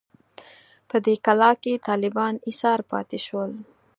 په دې کلا کې طالبان ایسار پاتې شول.